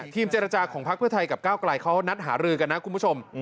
เจรจาของพักเพื่อไทยกับก้าวไกลเขานัดหารือกันนะคุณผู้ชม